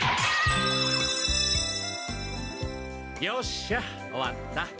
よっしゃ終わった！